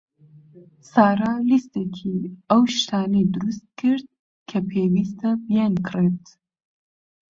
سارا لیستێکی ئەو شتانەی دروست کرد کە پێویستە بیانکڕێت.